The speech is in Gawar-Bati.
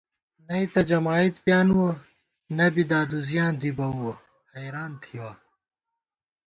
نئ تہ جمائید پیانِوَہ نہ بی دادُزِیاں دی بَوَہ حېریان تھِوَہ